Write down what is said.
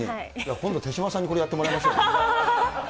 今度、手嶋さんにこれ、やってもらいましょう。